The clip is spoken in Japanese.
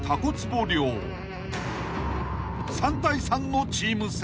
［３対３のチーム戦］